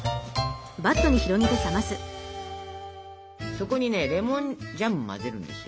そこにねレモンジャムを混ぜるんですよ。